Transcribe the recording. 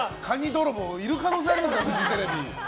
泥棒がいる可能性ありますよ、フジテレビ。